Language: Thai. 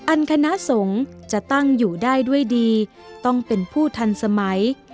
คณะสงฆ์จะตั้งอยู่ได้ด้วยดีต้องเป็นผู้ทันสมัย